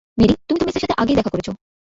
Mary, তুমি তো মেসের সাথে আগেই দেখা করেছ।